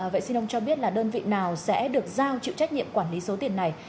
vậy xin ông cho biết là đơn vị nào sẽ được giao chịu trách nhiệm quản lý số tiền này